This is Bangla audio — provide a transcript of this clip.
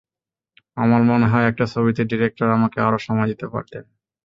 আমার মনে হয়, একটা ছবিতে ডিরেক্টর আমাকে আরও সময় দিতে পারতেন।